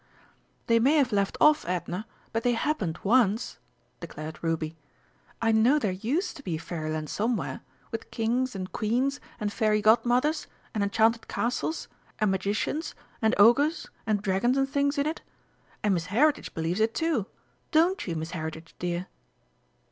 "They may have left off, Edna, but they happened once," declared Ruby. "I know there used to be Fairyland somewhere, with Kings and Queens and Fairy Godmothers and enchanted castles and magicians and Ogres and Dragons and things in it. And Miss Heritage believes it, too don't you, Miss Heritage, dear?"